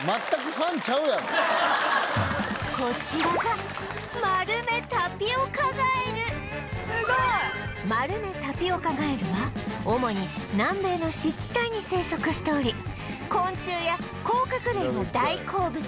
こちらがマルメタピオカガエルは主に南米の湿地帯に生息しており昆虫や甲殻類が大好物